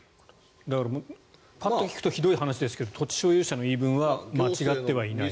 だからぱっと聞くとひどい話ですけど土地所有者の話は間違ってはいない。